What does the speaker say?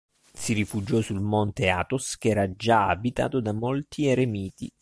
Si rifugiò sul Monte Athos che era già abitato da molti eremiti.